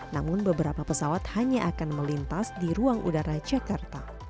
namun beberapa pesawat hanya akan melintas di ruang udara jakarta